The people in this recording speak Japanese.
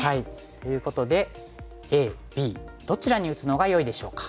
ということでＡＢどちらに打つのがよいでしょうか。